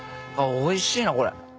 おいしいなこれ。